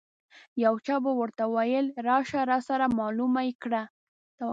یو چا به ورته ویل راشه راسره معلومه یې کړه.